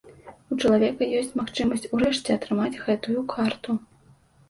У чалавека ёсць магчымасць у рэшце атрымаць гэтую карту.